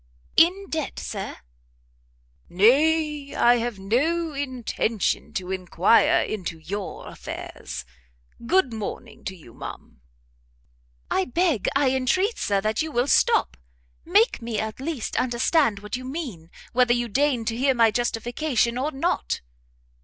"In debt, Sir?" "Nay, I have no intention to inquire into your affairs. Good morning to you, ma'am." "I beg, I entreat, Sir, that you will stop! make me, at least, understand what you mean, whether you deign to hear my justification or not."